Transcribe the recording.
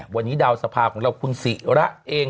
วันนี้ดาวสภาของเราคุณศิระเอง